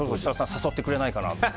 誘ってくれないかなと。